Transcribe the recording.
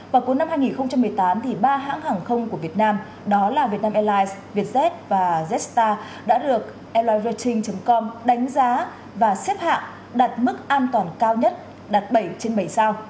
vào cuối năm hai nghìn một mươi tám ba hãng hàng không của việt nam đó là việt nam airlines vietjet và jetstar đã được elerting com đánh giá và xếp hạng đạt mức an toàn cao nhất đạt bảy trên bảy sao